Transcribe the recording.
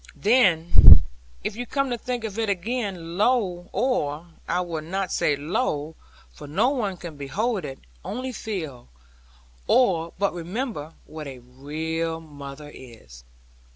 Then (if you come to think again) lo! or I will not say lo! for no one can behold it only feel, or but remember, what a real mother is.